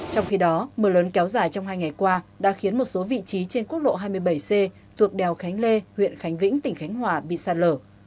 trong khi đó mưa lớn kéo dài trong hai ngày qua đã khiến một số vị trí trên quốc lộ hai mươi bảy c thuộc đèo khánh lê huyện khánh vĩnh tỉnh khánh hòa bị sạt lở